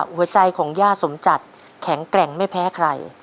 หัวใจของย่าสมจัดแข็งแกร่งไม่แพ้ใคร